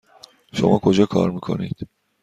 شما کجا کار میکنید؟